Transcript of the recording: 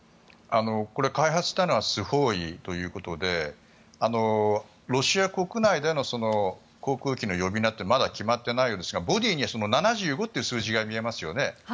開発したのはスホーイということでロシア国内での航空機の呼び名ってまだ決まってないようですがボディーには７５という数字が見えますよね。